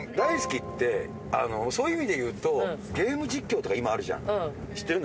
『ＤＡＩＳＵＫＩ！』ってそういう意味でいうとゲーム実況とか今あるじゃん知ってる？